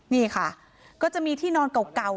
นี่ค่ะก็จะมีที่นอนเก่า